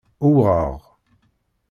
Uwɣeɣ.